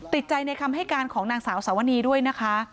ติดใจในคำให้การของนางสาวสวนีด้วยนะคะ